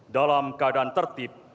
dalam keadaan tertib